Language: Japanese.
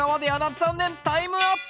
残念タイムアップ！